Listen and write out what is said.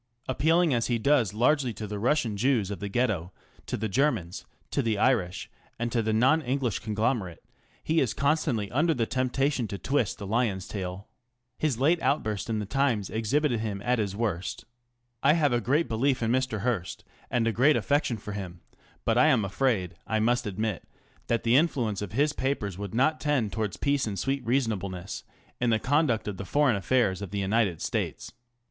Appealing as he does largely to the Russian Jews of the Ghetto, to the Germans, to the Irish, and to the non English conglomerate, he is constantly under the temptation to twist the lion's tail. His late outburst in the Times exhibited him at bis worst. I have a great belief in Mr. Hearst, and a great affection for him, but I am afraid I must admit that the influence of his papers would not tend toward peace and sweet reasonableness in the conduct of the fore'gn affairs of the United States. Mr.